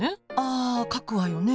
あ書くわよね。